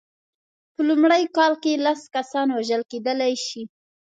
په لومړۍ کال کې لس کسان وژل کېدلای شي.